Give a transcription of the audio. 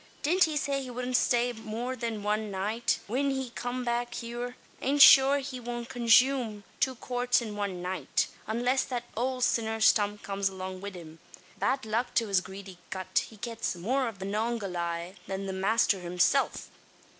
Didn't he say he wudn't stay more than wan night, whin he come back heeur; an shure he won't conshume two quarts in wan night unless that owld sinner Stump comes along wid him. Bad luck to his greedy gut! he gets more av the Manongahayla than the masther himsilf.